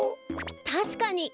たしかに。